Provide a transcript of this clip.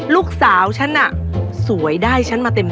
ลูกสาวฉันสวยด้ายฉันมาเต็ม